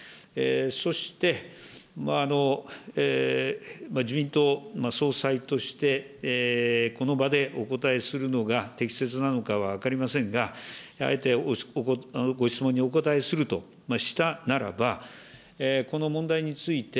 そして、、自民党総裁として、この場でお答えするのが適切なのかは分かりませんが、あえてご質問にお答えするとしたならば、この問題について、